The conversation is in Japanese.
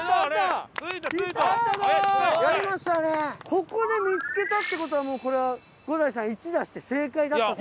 ここで見つけたって事はもうこれは伍代さん「１」出して正解だった。